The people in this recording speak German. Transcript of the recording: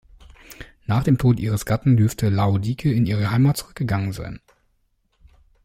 Nach dem Tod ihres Gatten dürfte Laodike in ihre Heimat zurückgegangen sein.